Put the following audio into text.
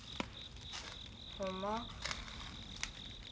ほんま？